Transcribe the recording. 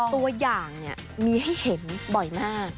ตัวอย่างมีให้เห็นบ่อยมาก